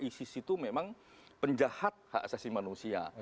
isis itu memang penjahat hak asasi manusia